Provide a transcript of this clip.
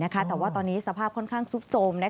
แต่ว่าตอนนี้สภาพค่อนข้างซุดโทรม